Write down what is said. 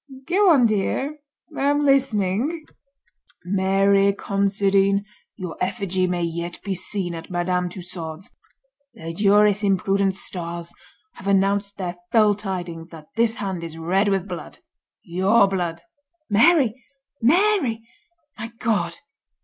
"Go on, dear; I am listening." "Mary Considine, your effigy may yet be seen at Madame Tussaud's. The juris imprudent Stars have announced their fell tidings that this hand is red with blood—your blood. Mary! Mary! my God!"